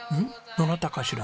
どなたかしら？